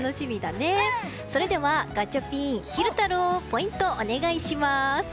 それではガチャピン、昼太郎ポイントをお願いします。